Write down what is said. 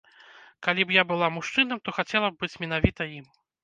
Калі б я была мужчынам, то хацела б быць менавіта ім.